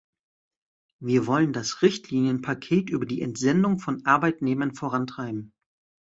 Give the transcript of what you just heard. Wir wollen das Richtlinienpaket über die Entsendung von Arbeitnehmern vorantreiben.